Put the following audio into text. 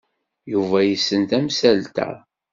Yuba yessen tamsalt-a.